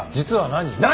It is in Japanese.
何！？